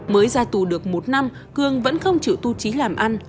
mới ra tù được một năm cường vẫn không chịu tu trí làm ăn